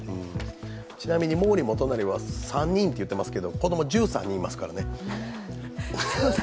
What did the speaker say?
ちなみに毛利元就は３人っていってますけど子供、１３人いますからね。